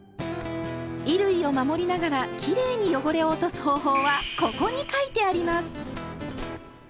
衣類を守りながらきれいに汚れを落とす方法は「ここ」に書いてあります！